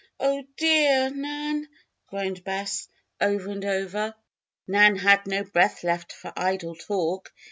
Oh, dear, Nan!" groaned Bess, over and over. Nan had no breath left for idle talk.